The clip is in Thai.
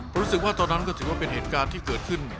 ผมรู้สึกว่าตอนนั้นก็ถือว่าเป็นเหตุการณ์ที่เกิดขึ้น